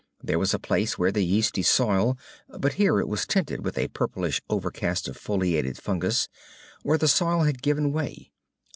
There was a place where the yeasty soil but here it was tinted with a purplish overcast of foleate fungus where the soil had given way.